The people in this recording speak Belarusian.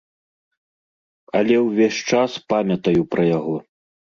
Але ўвесь час памятаю пра яго.